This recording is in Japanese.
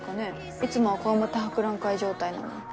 いつもは強面博覧会状態なのに。